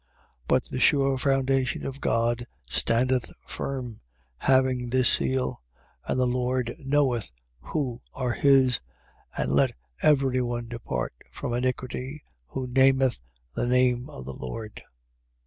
2:19. But the sure foundation of God standeth firm, having this seal: the Lord knoweth who are his; and let every one depart from iniquity who nameth the name of the Lord.